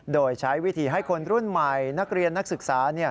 โดยใช้วิธีให้คนรุ่นใหม่นักเรียนนักศึกษา